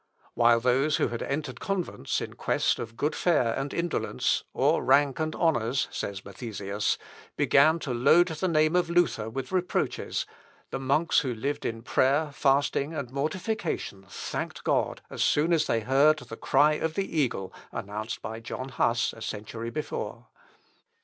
"While those who had entered convents in quest of good fare and indolence, or rank and honours," says Mathesius, "began to load the name of Luther with reproaches, the monks who lived in prayer, fasting, and mortification, thanked God as soon as they heard the cry of the eagle, announced by John Huss, a century before."